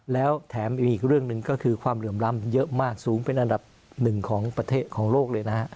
แล้วแถมอีกเรื่องหนึ่งก็คือความเหลื่อมล้ำเยอะมากสูงเป็นอันดับหนึ่งของประเทศของโลกเลยนะฮะ